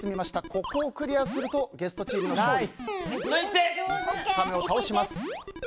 ここをクリアするとゲストチームの勝利です。